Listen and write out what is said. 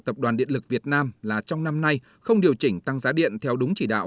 tập đoàn điện lực việt nam là trong năm nay không điều chỉnh tăng giá điện theo đúng chỉ đạo